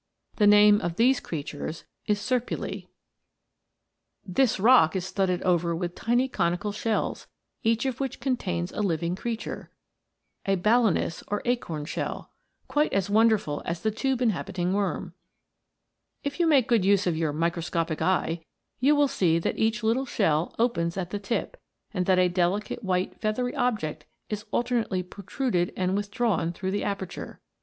* This rock is studded over with tiny conical shells, each of which contains a living creature, quite as wonderful as the tube inhabiting worm. If you make good use of your " microscopic eye," you will see that each little shell opens at the tip, and that a delicate white feathery object is alternately pro truded and withdrawn through the aperture.